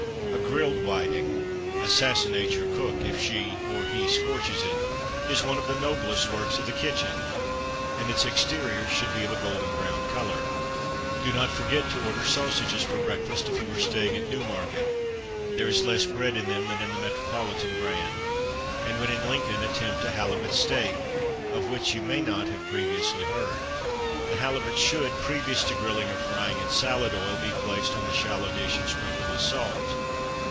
A grilled whiting assassinate your cook if she (or he) scorches it is one of the noblest works of the kitchen, and its exterior should be of a golden brown colour. Do not forget to order sausages for breakfast if you are staying at Newmarket; there is less bread in them than in the Metropolitan brand. And when in Lincoln attempt a Halibut Steak, of which you may not have previously heard. The halibut should, previous to grilling or frying in salad oil, be placed on a shallow dish and sprinkled with salt.